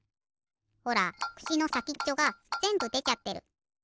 ほらくしのさきっちょがぜんぶでちゃってる。